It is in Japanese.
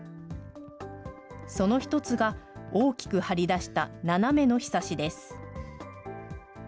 その１つが、大きく張り出した斜めのひさしです。